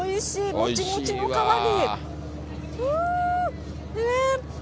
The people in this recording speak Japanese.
もちもちの皮に。